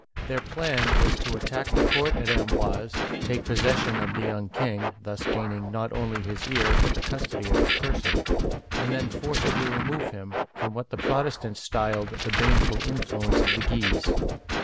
Their plan was to attack the court at Amboise, take possession of the young king, — thus gaining not only his ear but the custody of his person, — and then forcibly remove him from what the Protestants styled the baneful influence of the Guises.